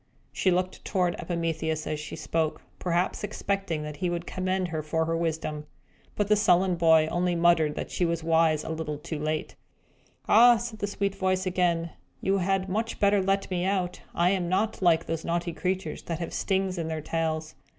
She looked toward Epimetheus, as she spoke, perhaps expecting that he would commend her for her wisdom. But the sullen boy only muttered that she was wise a little too late. "Ah," said the sweet little voice again, "you had much better let me out. I am not like those naughty creatures that have stings in their tails.